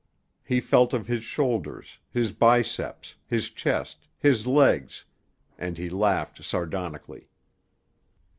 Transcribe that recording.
He felt of his shoulders, his biceps, his chest, his legs, and he laughed sardonically.